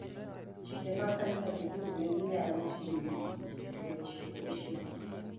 chike mag kanisagi, koro ne ginyalo ting'o ji piero ochiko gochiko